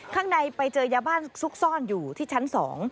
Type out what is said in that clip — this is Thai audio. ข้างในไปเจอยาบ้านซุกซ่อนอยู่ที่ชั้น๒